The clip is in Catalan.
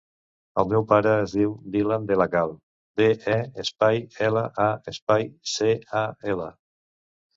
El meu pare es diu Dylan De La Cal: de, e, espai, ela, a, espai, ce, a, ela.